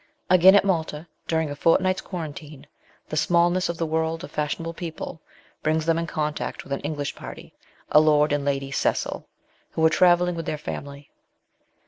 Again, at Malta, during a fortnight's quarantine, the smallness of the world of fashionable people brings them in contact with an English party, a Lord and Lady Cecil, who are travelling with their family.